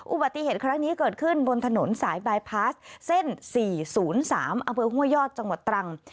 อุบัติเหตุครั้งนี้เกิดขึ้นบนถนนสายบายพาสเส้น๔๐๓อำเภอห้วยยอดจังหวัดตรัง